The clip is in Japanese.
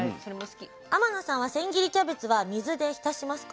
天野さんは千切りキャベツは水で浸しますか？